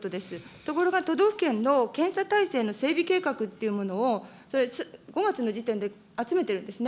ところが都道府県の検査体制の警備計画というものを５月の時点で集めてるんですね。